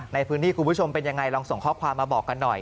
ในพื้นที่คุณผู้ชมเป็นอย่างไรลองส่งข้อความมาบอกกันหน่อย